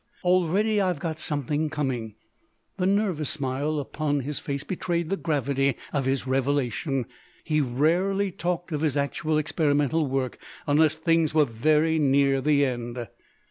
Already I've got something coming." The nervous smile upon his face betrayed the gravity of his revelation. He rarely talked of his actual experimental work unless things were very near the end.